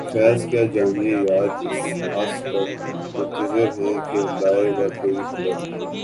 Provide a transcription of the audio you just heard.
فیضؔ کیا جانیے یار کس آس پر منتظر ہیں کہ لائے گا کوئی خبر